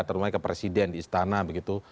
terutama ke presiden di istana begitu